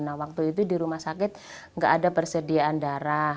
nah waktu itu di rumah sakit nggak ada persediaan darah